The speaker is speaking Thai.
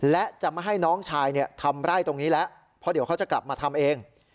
และจะไม่ให้น้องชายทำไร่ตรงนี้แล้วเพราะเดี๋ยวเขาจะกลับมาทำเอง